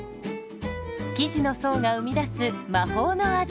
生地の層が生み出す魔法の味。